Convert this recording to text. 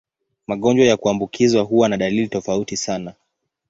Magonjwa ya kuambukizwa huwa na dalili tofauti sana.